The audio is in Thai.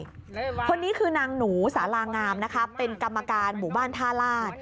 คนนี้คือนางหนูสารางามนะคะเป็นกรรมการหมู่บ้านท่าลาศ